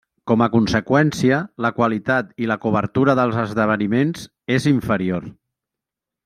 Com a conseqüència, la qualitat i la cobertura dels esdeveniments és inferior.